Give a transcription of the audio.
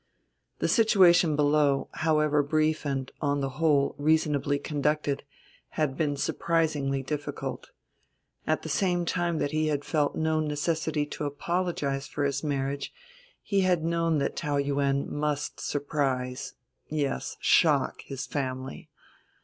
The situation below, however brief and, on the whole, reasonably conducted, had been surprisingly difficult. At the same time that he had felt no necessity to apologize for his marriage he had known that Taou Yuen must surprise, yes shock, his family.